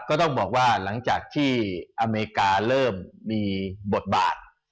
ก็ต้องบอกว่าหลังจากที่อเมริกาเริ่มมีบทบาท